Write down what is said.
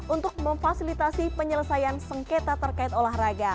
untuk memfasilitasi penyelesaian sengketa terkait olahraga